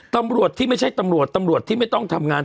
ตำรวจที่ไม่ใช่ตำรวจตำรวจที่ไม่ต้องทำงาน